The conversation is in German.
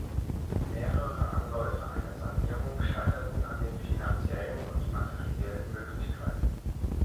Mehrere Anläufe einer Sanierung scheiterten an den finanziellen und materiellen Möglichkeiten.